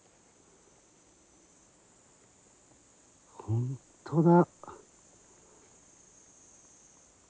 本当だ。